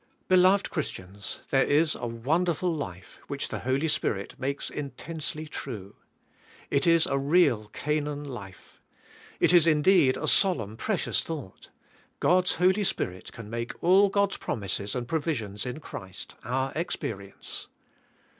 Be loved Christians there is a. wonderful life, which the Holy Spirit makes intensely true. It is a real Ca naan life. It is indeed a solemn, precious thoug ht. God's Holy Spirit can make all God's promises and provisions in Christ our experience.